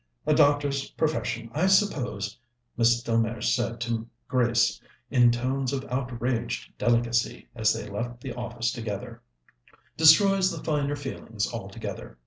"A doctor's profession, I suppose," Miss Delmege said to Grace in tones of outraged delicacy as they left the office together, "destroys the finer feelings altogether.